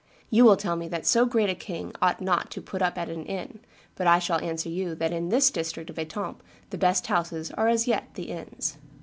You will tell me that so great a king ought not to put up at an inn; but I shall answer you that in this district of Etampes the best houses are as yet the inns.